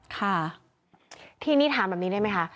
ค่ะทีนี้ถามแบบนี้ได้ไหมคะ